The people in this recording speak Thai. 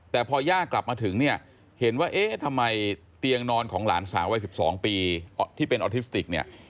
แต่พอย่ากลับมาถึงเนี่ยเห็นว่าเอ๊ะทำไมเตียงนอนของหลานสาววัย๑๒ปีที่เป็นออทิสติกเนี่ย